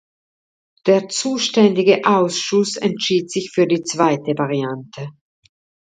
Der zuständige Ausschuss entschied sich für die zweite Variante.